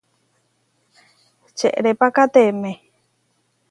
Čerepakatemé.